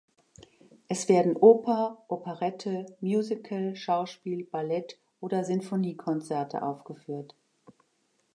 Es werden Oper, Operette, Musical, Schauspiel, Ballett oder Sinfoniekonzerte aufgeführt.